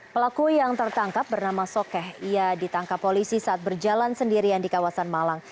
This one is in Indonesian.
pelaku yang tertangkap bernama sokeh ia ditangkap polisi saat berjalan sendirian di kawasan malang